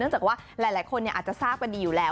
จากว่าหลายคนอาจจะทราบกันดีอยู่แล้ว